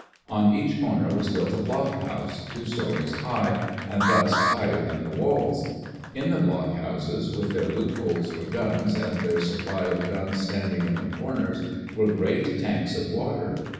On each corner was built a blockhouse, two stories high, and thus higher than the walls. In the blockhouses, with their loopholes for guns, and their sup ply of guns standing in the comers, were great tanks of water.